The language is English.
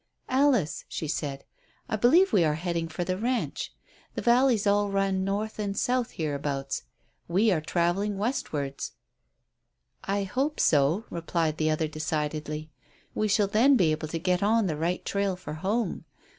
"Alice," she said, "I believe we are heading for the ranch. The valleys all run north and south hereabouts. We are travelling westwards." "I hope so," replied the other decidedly; "we shall then be able to get on the right trail for home.